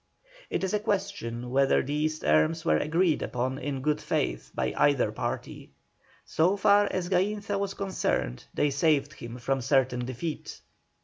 It is a question whether these terms were agreed upon in good faith by either party. So far as Gainza was concerned, they saved him from certain defeat.